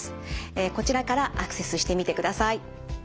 こちらからアクセスしてみてください。